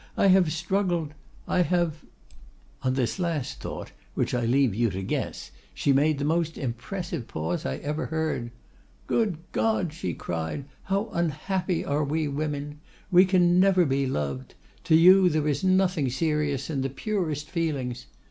I have struggled! I have——' On this last thought, which I leave you to guess, she made the most impressive pause I ever heard.—'Good God!' she cried, 'how unhappy are we women! we never can be loved. To you there is nothing serious in the purest feelings.